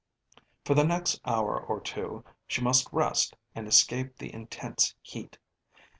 For the next hour or two she must rest and escape the intense heat.